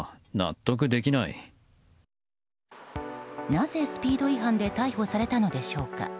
なぜスピード違反で逮捕されたのでしょうか。